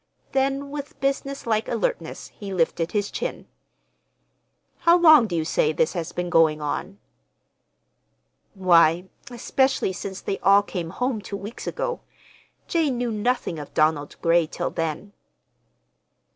Then, with businesslike alertness, he lifted his chin. "How long do you say this has been going on?" "Why, especially since they all came home two weeks ago. Jane knew nothing of Donald Gray till then."